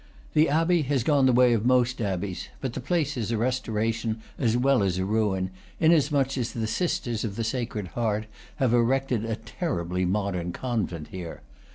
The abbey has gone the way of most abbeys; but the place is a restoration as well as a ruin, inasmuch as the sisters of the Sacred Heart have erected a terribly modern convent here.